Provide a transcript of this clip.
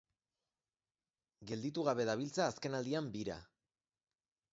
Gelditu gabe dabiltza azkenaldian bira.